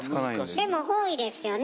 でも多いですよね